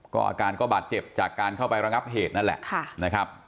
ก็อาการก็บาดเจ็บจากการเข้าไประงับเหตุนั่นแหละนะครับ